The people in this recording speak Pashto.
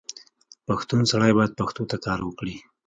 پښتون سړی باید پښتو ته کار وکړي.